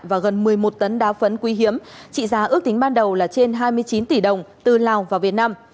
và gần một mươi một tấn đá phấn quy hiếm trị giá ước tính ban đầu là trên hai mươi chín tỷ đồng từ lào vào việt nam